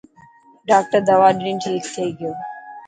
ڊاڪٽر دوا ڏني ٺيڪ ٿي گيو.